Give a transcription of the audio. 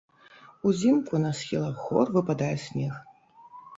Узімку на схілах гор выпадае снег.